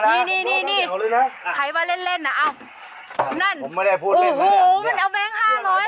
เนี้ยค่ะนี่นี่นี่ใครว่าเล่นเล่นอ่ะอ้าวนั่นผมไม่ได้พูดโอ้โหมันเอาแบงค์ภาคน้อยมาเลยอ่ะ